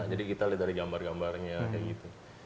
nah jadi kita lihat dari gambar gambarnya kayak gitu